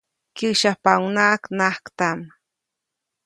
Kyäsyapaʼuŋnaʼak najktaʼm.